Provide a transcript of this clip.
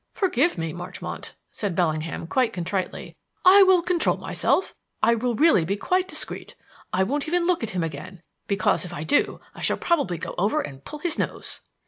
"Forgive me, Marchmont," Mr. Bellingham replied contritely. "I will control myself: I will really be quite discreet. I won't even look at him again because, if I do, I shall probably go over and pull his nose."